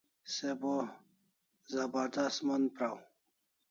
Se bo zabardast mon praw